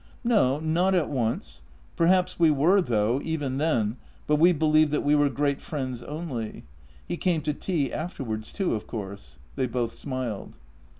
"" No, not at once. Perhaps we were, though — even then — but we believed that we were great friends only. He came to tea afterwards too, of course." They both smiled.